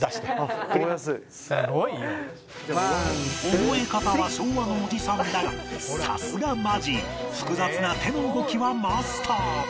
覚え方は昭和のおじさんだがさすがマジー複雑な手の動きはマスター